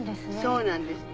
そうなんです。